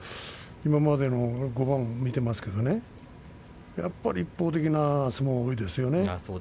今までの相撲を見ていますけれど一方的な相撲が多いですよね。